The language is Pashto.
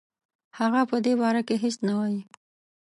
هغه په دې باره کې هیڅ نه وايي.